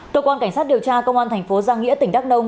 tổ quán cảnh sát điều tra công an thành phố giang nghĩa tỉnh đắk nông